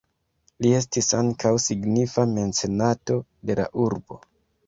Li estis ankaŭ signifa mecenato de la urbo.